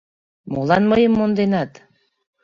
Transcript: Молан мыйым монденат?..